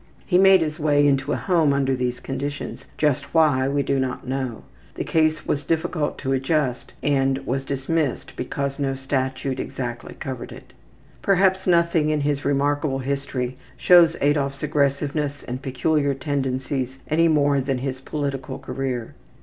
He made his way into a home under these conditions, just why we do not know. The case was difficult to adjust and was dismissed because no statute exactly covered it. Perhaps nothing in his remarkable history shows Adolf's aggressiveness and peculiar tendencies any more than his political career.